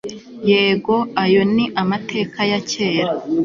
yego, ayo ni amateka ya kera